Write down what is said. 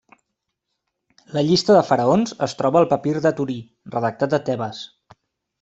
La llista de faraons es troba al papir de Torí, redactat a Tebes.